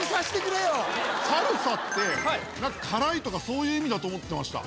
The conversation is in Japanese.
サルサって何か辛いとかそういう意味だと思ってました。